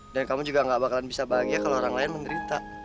dan kamu juga gak bakalan bisa bahagia kalo orang lain menderita